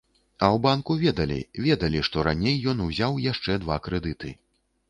А ў банку ведалі, ведалі, што раней ён узяў яшчэ два крэдыты.